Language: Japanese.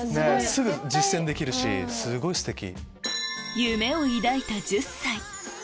すぐ実践できるしすごいステキ。